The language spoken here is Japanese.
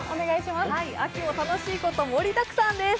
秋も楽しいこと盛りだくさんです。